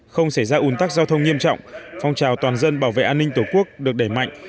không xảy ra ủn tắc giao thông nghiêm trọng phong trào toàn dân bảo vệ an ninh tổ quốc được đẩy mạnh